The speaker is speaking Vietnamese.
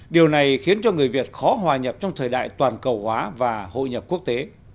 điều này khiến cho người việt khó hòa nhập trong thời đại toàn cầu hóa và hội nhập quốc tế